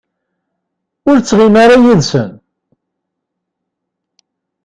Ur ttɣimi ara yid-sen.